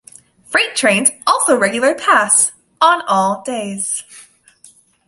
Freight trains also regularly pass, on all days.